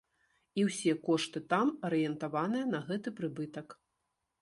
І ўсе кошты там арыентаваныя на гэты прыбытак.